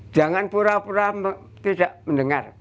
jangan pura pura tidak mendengar